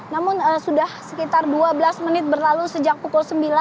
namun sudah sekitar dua belas menit berlalu sejak pukul sembilan